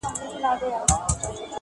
د هجران تبي نیولی ستا له غمه مړ به سمه!.